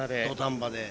土壇場で。